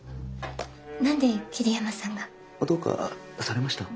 何で桐山さんが？どうかされました？